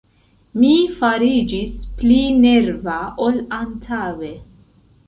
Mi fariĝis pli nerva ol antaŭe.